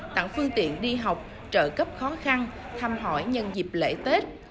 tặng phương tiện đi học trợ cấp khó khăn thăm hỏi nhân dịp lễ tết